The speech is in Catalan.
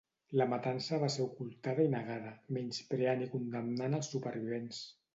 La matança va ser ocultada i negada, menyspreant i condemnant als supervivents.